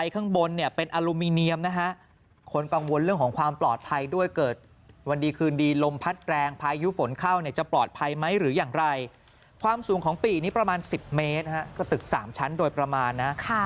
ตีนี้ประมาณ๑๐เมตรก็ตึก๓ชั้นโดยประมาณนะ